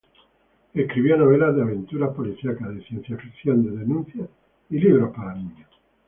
Escribió novelas de aventuras, policíacas, de ciencia ficción, de denuncia y libros para niños.